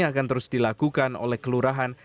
akan terus dilakukan oleh kelurahan